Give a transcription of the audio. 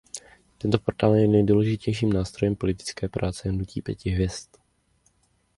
Tento portál je nejdůležitějším nástrojem politické práce Hnutí pěti hvězd.